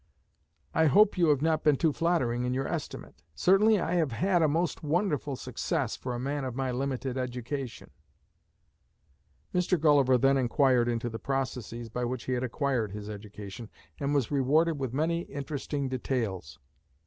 I hope you have not been too flattering in your estimate. Certainly I have had a most wonderful success for a man of my limited education." Mr. Gulliver then inquired into the processes by which he had acquired his education, and was rewarded with many interesting details.